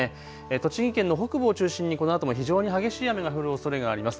栃木県の北部を中心にこのあとも非常に激しい雨が降るおそれがあります。